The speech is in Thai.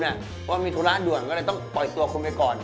เพราะว่ามีธุระด่วนก็เลยต้องปล่อยตัวคุณไปก่อน